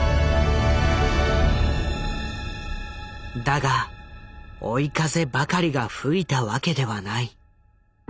だが追い風ばかりが吹いたわけではない。